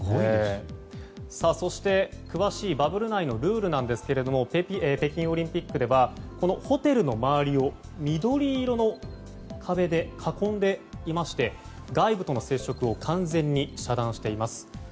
そして、詳しいバブル内のルールなんですが北京オリンピックではホテルの周りを緑色の壁で囲んでいまして外部との接触を完全に遮断しています。